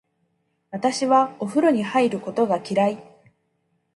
私はお風呂に入ることが嫌い。